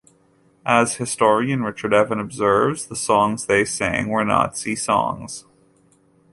As historian Richard Evans observes, The songs they sang were Nazi songs.